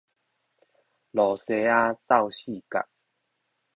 露西亞鬥四角